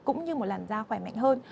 cũng như một làn da khỏe mạnh hơn